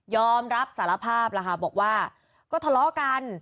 อมรับสารภาพแล้วค่ะบอกว่าก็ทะเลาะกัน